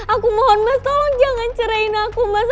aku mohon mas tolong jangan cerahin aku mas